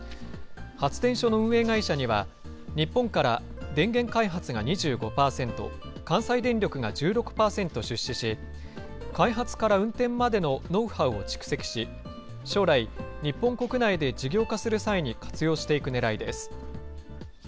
発電所の運営会社には、日本から、電源開発が２５％、関西電力が１６％出資し、開発から運転までのノウハウを蓄積し、将来、日本国内で事業化する際に活用していくねらいです。